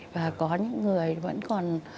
và có những người vẫn còn